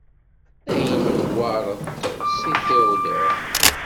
Ayen newwaṛet s Theodor.